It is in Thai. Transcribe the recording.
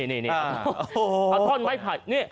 เอาท่อนไม้ไป